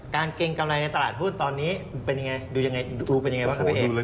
การเกรงกำไรในตลาดหุ้นตอนนี้เป็นยังไงดูล่ะเอง